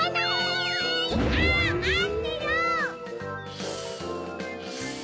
まってよ！